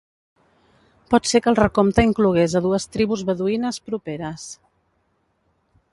Pot ser que el recompte inclogués a dues tribus beduïnes properes.